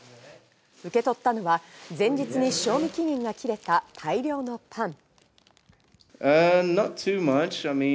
受け取ったのは前日に賞味期限が切れた大量のパン。